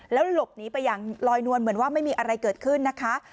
แล้วหลบหนีไปอย่างลอยนวลเหมือนว่าไม่มีอะไรเกิดขึ้นนะคะ